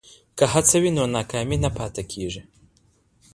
که هڅه وي نو ناکامي نه پاتې کېږي.